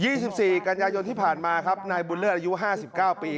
สิบสี่กันยายนที่ผ่านมาครับนายบุญเลิศอายุห้าสิบเก้าปี